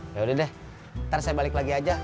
yaudah deh ntar saya balik lagi aja